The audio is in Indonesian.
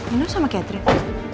ini sama keterang